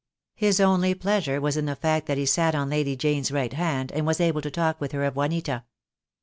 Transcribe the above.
His only pleasure was in the fact that he sat on Lady Jane's right hand, and was able to talk with her of Juanita.